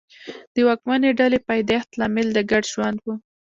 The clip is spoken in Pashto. د واکمنې ډلې پیدایښت لامل د ګډ ژوند و